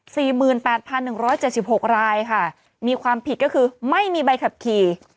สี่หมื่นแปดพันหนึ่งร้อยเจ็ดสิบหกรายค่ะมีความผิดก็คือไม่มีใบขับขี่